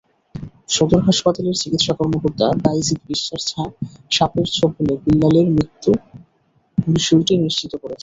সদর হাসপাতালের চিকিৎসা কর্মকর্তা বায়েজিদ বিশ্বাস সাপের ছোবলে বিল্লালের মৃত্যুর বিষয়টি নিশ্চিত করেছেন।